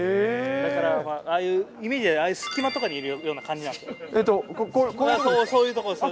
だからああいう、イメージではああいう隙間とかにいるような感じですよ。